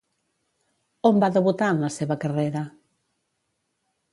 On va debutar en la seva carrera?